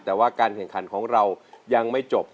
แต่ว่าการแข่งขันของเรายังไม่จบ